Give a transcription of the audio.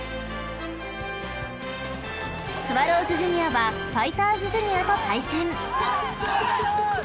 ［スワローズジュニアはファイターズジュニアと対戦］